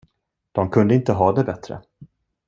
De kunde inte ha det bättre.